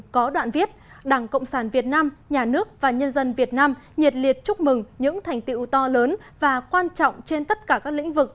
có đoạn viết đảng cộng sản việt nam nhà nước và nhân dân việt nam nhiệt liệt chúc mừng những thành tiệu to lớn và quan trọng trên tất cả các lĩnh vực